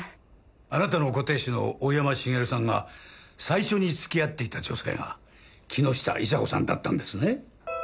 あなたのご亭主の大山茂さんが最初に付き合っていた女性が木下伊沙子さんだったんですね？